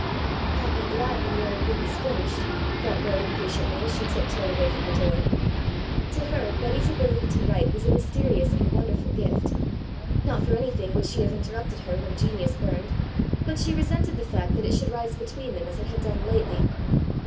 "I'll be glad when the old book is finished," thought Lloyd impatiently as she tip toed away from the door. To her, Betty's ability to write was a mysterious and wonderful gift. Not for anything would she have interrupted her when "genius burned," but she resented the fact that it should rise between them as it had done lately.